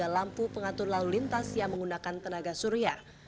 lampu pengatur lalu lintas yang menggunakan tenaga surya